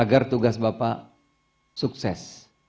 agar tugas bapak sukses